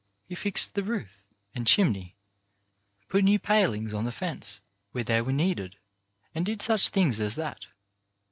He fixed the roof and chimney, put new palings in the fence where they were needed and did such things as that.